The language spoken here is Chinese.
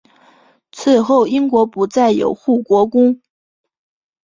此后英国不再有护国公。